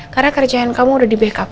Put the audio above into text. karena kerjaan kamu udah dibekerja